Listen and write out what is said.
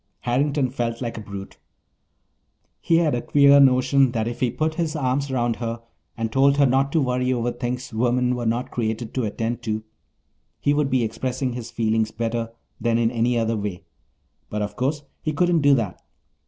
Harrington felt like a brute. He had a queer notion that if he put his arm around her and told her not to worry over things women were not created to attend to he would be expressing his feelings better than in any other way. But of course he couldn't do that.